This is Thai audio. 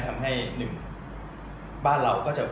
ทำให้๑บ้านเราก็จะ